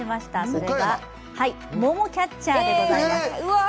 それが桃キャッチャーでございます。